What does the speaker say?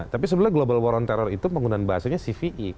tapi sebenarnya global war on terror itu penggunaan bahasanya cve